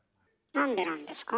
なんでなんですか？